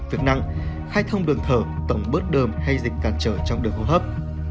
việc nặng khai thông đường thở tổng bớt đơm hay dịch cản trở trong đường hô hấp